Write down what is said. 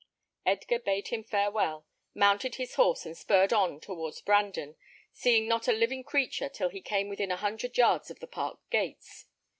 Edgar bade him farewell, mounted his horse, and spurred on towards Brandon, seeing not a living creature till he came within a hundred yards of the park gates.